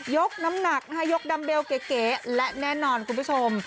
ยกน้ำหนักนะคะยกดัมเบลเก๋และแน่นอนคุณผู้ชม